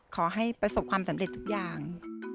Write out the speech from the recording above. ขอให้ประสบความสำเร็จทุกอย่าง